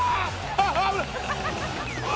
あっ危ない！